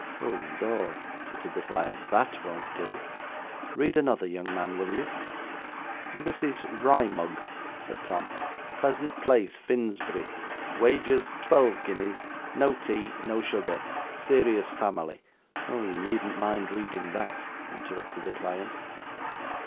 'Oh Lor!' tittered the client. 'THAT won't do. Read another, young man, will you?' '"Mrs. Wrymug,"' said Tom, '"Pleasant Place, Finsbury. Wages, twelve guineas. No tea, no sugar. Serious family "' 'Ah! you needn't mind reading that,' interrupted the client.